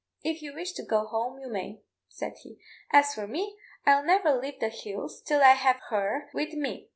"If you wish to go home, you may," said he; "as for me, I'll never leave the hills till I have her with me."